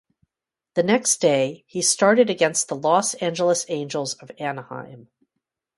The next day, he started against the Los Angeles Angels of Anaheim.